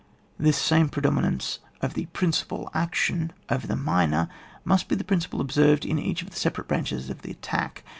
This same predominance of the prin cipal action over the minor, must be the principle observed in each of the separate branches of the attack.